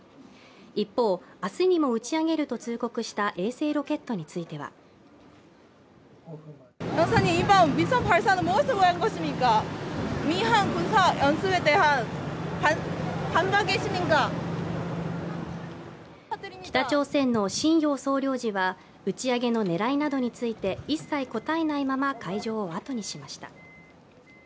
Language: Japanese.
一方、明日にも打ち上げると通告した衛星ロケットについては北朝鮮の瀋陽総領事は打ち上げの狙いなどについて一切答えないまま、会場を後にしました。